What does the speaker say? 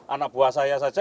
anak buah saya saja